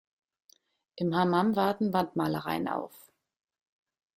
Im Hamam warten Wandmalereien auf.